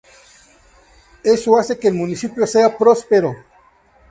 Eso hace que el municipio sea prospero.